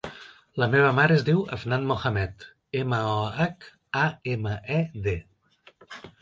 La meva mare es diu Afnan Mohamed: ema, o, hac, a, ema, e, de.